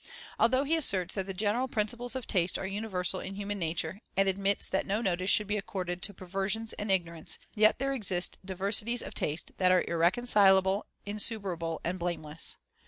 Although he asserts that the general principles of taste are universal in human nature, and admits that no notice should be accorded to perversions and ignorance, yet there exist diversities of taste that are irreconcilable, insuperable, and blameless.